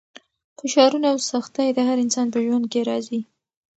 فشارونه او سختۍ د هر انسان په ژوند کې راځي.